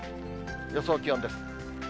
予想気温です。